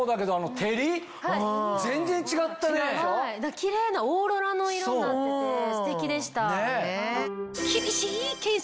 キレイなオーロラの色になっててステキでした。